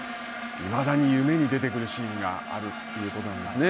いまだに夢に出てくるシーンがあるということなんですね。